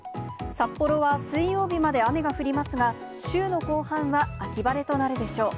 札幌は水曜日まで雨が降りますが、週の後半は秋晴れとなるでしょう。